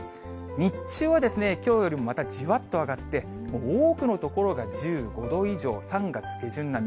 日中はですね、きょうよりもまたじわっと上がって、多くの所が１５度以上、３月下旬並み。